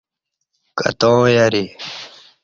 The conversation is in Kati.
کتاں یری